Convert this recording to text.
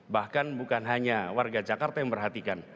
bahkan bukan hanya warga jakarta yang memperhatikan